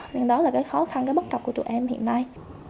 nên đó là cái khó khăn cái bất cập của tụi em hiện nay